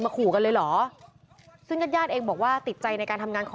มันโจ๊กขึ้นเมื่องไซมูนอีกกว่าน